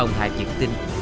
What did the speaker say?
ông hai việt tin